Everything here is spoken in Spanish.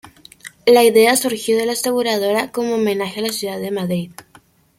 La idea surgió de la aseguradora como homenaje a la ciudad de Madrid.